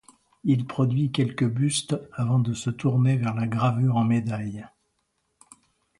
Il produit quelques bustes avant de se tourner vers la gravure en médailles.